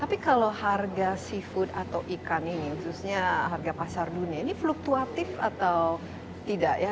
tapi kalau harga seafood atau ikan ini khususnya harga pasar dunia ini fluktuatif atau tidak ya